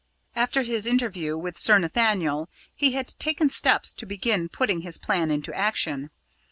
After his interview with Sir Nathaniel, he had taken steps to begin putting his plan into action.